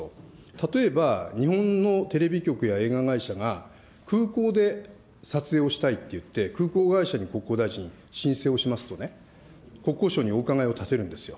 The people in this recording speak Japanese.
例えば、日本のテレビ局や映画会社が、空港で撮影をしたいって言って、空港会社に国交大臣、申請をしますとね、国交省にお伺いを立てるんですよ。